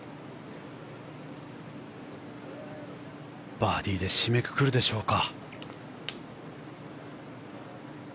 バーディーで締めくくるでしょうか。